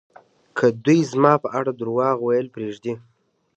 که دوی زما په اړه درواغ ویل پرېږدي